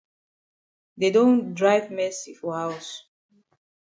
Dey don drive Mercy for haus.